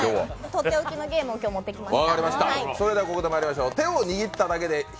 とっておきのゲームを今日、持ってきました。